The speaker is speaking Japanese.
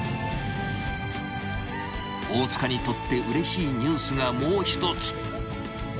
［大塚にとってうれしいニュースがもう一つ］